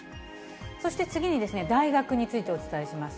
そして次に、大学についてお伝えします。